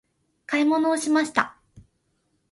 買い物をしました。